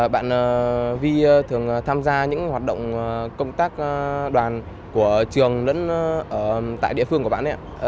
bạn vi thường tham gia những hoạt động công tác đoàn của trường lẫn tại địa phương của bạn ấy ạ